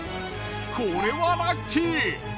これはラッキー。